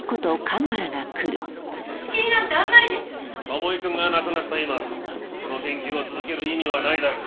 賀茂井くんが亡くなった今この研究を続ける意味はないだろ。